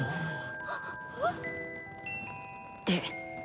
で。